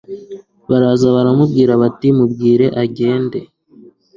baraza baramubwira bati mubwire agende